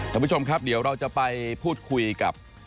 ท่านผู้ชมครับเดี๋ยวเราจะไปพูดคุยกับ